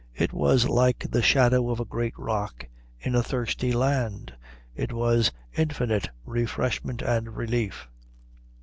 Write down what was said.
It was like the shadow of a great rock in a thirsty land; it was infinite refreshment and relief.